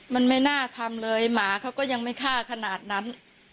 มันไม่น่าทำเลยหมาเขาก็ยังไม่ฆ่าขนาดนั้น